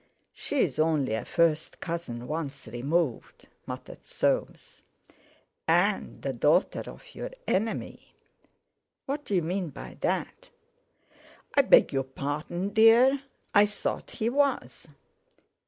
"She's only a first cousin once removed," muttered Soames. "And the daughter of your enemy." "What d'you mean by that?" "I beg your pardon, dear; I thought he was."